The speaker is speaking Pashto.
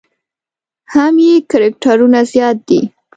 هم یې کرکټرونه زیات دي.